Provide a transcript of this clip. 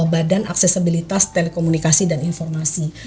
badan aksesibilitas telekomunikasi dan informasi